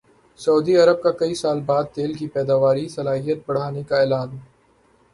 سعودی عرب کا کئی سال بعد تیل کی پیداواری صلاحیت بڑھانے کا اعلان